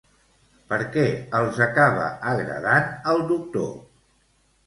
Per què els acaba agradant el doctor?